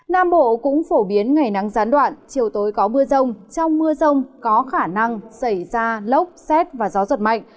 nam bộ cũng phổ biến ngày nắng gián đoạn chiều tối có mưa rông trong mưa rông có khả năng xảy ra lốc xét và gió giật mạnh